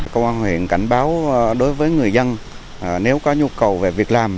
công an huyện cảnh báo đối với người dân nếu có nhu cầu về việc làm